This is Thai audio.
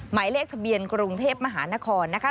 หมายเลขทะเบียนกรุงเทพมหานครนะคะ